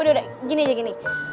aduh udah gini aja gini